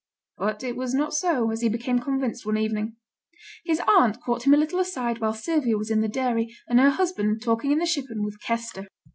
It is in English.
But it was not so, as he became convinced one evening. His aunt caught him a little aside while Sylvia was in the dairy, and her husband talking in the shippen with Kester.